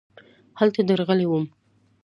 هلته درغلې وم .